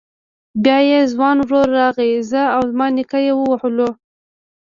بيا يې ځوان ورور راغی زه او زما نيکه يې ووهلو.